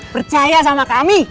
percaya sama kami